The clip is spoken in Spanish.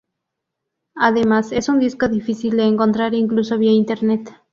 Además es un disco difícil de encontrar incluso vía internet.